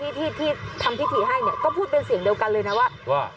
ไปหาที่ทำพิธีให้ก็พูดเป็นเสียงเดียวกันเลยนะว่า